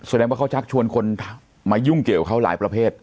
แสดงว่าเขาชักชวนคนมายุ่งเกี่ยวเขาหลายประเภท